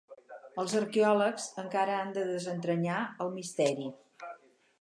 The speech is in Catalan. Els arqueòlegs encara han de desentranyar el misteri.